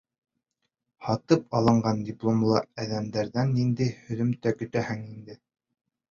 Һатып алынған дипломлы әҙәмдәрҙән ниндәй һөҙөмтә көтәһең инде?